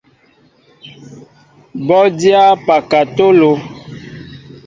Bɔ dyá pakatolo.